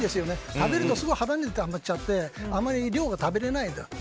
食べるとすぐ腹にたまっちゃってあまり量が食べられない。